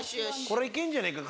これ行けんじゃねえか？